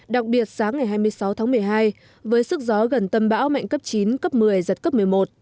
đặc biệt sáng ngày hai mươi sáu tháng một mươi hai với sức gió gần tâm bão mạnh cấp chín cấp một mươi giật cấp một mươi một